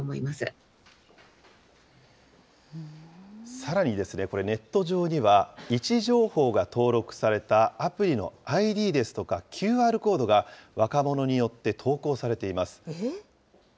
さらにこれ、ネット上には、位置情報が登録されたアプリのＩＤですとか、ＱＲコードが若者によって投稿されています。